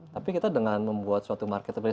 tapi kita dengan membuat suatu marketplace